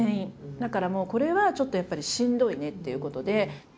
だからもうこれはちょっとやっぱりしんどいねっていうことで。